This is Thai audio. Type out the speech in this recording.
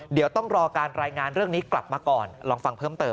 เดี๋ยวต้องรอการรายงานเรื่องนี้กลับมาก่อนลองฟังเพิ่มเติม